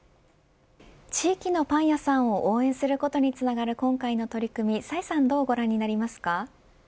地域のパン屋さんを応援することにつながる今回の取り組み崔さんはどうご覧になりますか。